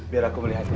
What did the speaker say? biar aku melihatnya